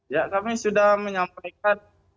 ya kami sudah menyampaikan